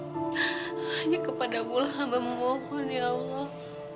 hanya kepada ibu lah amba mohon ya allah